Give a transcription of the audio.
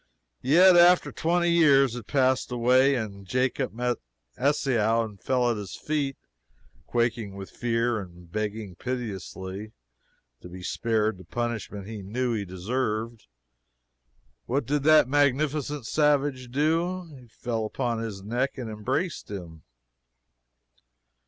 Yet after twenty years had passed away and Jacob met Esau and fell at his feet quaking with fear and begging piteously to be spared the punishment he knew he deserved, what did that magnificent savage do? He fell upon his neck and embraced him!